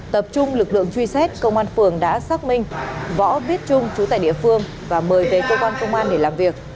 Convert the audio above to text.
tập trung lực lượng truy xét công an phường đã xác minh võ viết trung chú tại địa phương và mời về cơ quan công an để làm việc